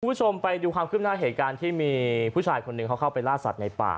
คุณผู้ชมไปดูความขึ้นหน้าเหตุการณ์ที่มีผู้ชายคนหนึ่งเขาเข้าไปล่าสัตว์ในป่า